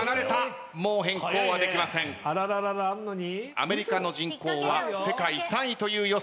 アメリカの人口は世界３位という予想。